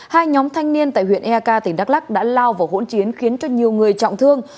hai nhóm thanh niên tại huyện eak tỉnh đắk lắc đã lao vào hỗn chiến khiến cho nhiều người trọng thương